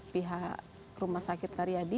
pihak rumah sakit karyadi